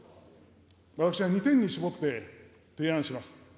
私は２点に絞って提案します。